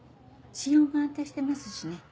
心音が安定してますしね。